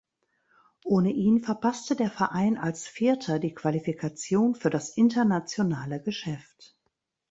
Ohne ihn verpasste der Verein als Vierter die Qualifikation für das internationale Geschäft.